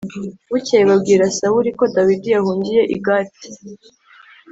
bukeye babwira sawuli ko dawidi yahungiye i gati